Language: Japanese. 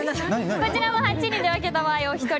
こちらも８人で分けた場合お一人